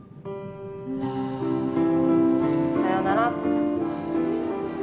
さよならって。